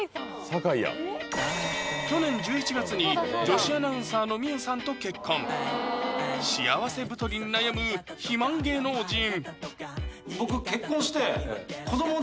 酒井や昨年１１月に女子アナウンサーの名結さんと結婚幸せ太りに悩む肥満芸能人